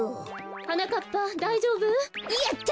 はなかっぱだいじょうぶ？やった！